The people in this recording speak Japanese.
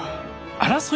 争い